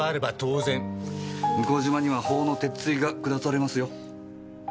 向島には法の鉄槌が下されますよ。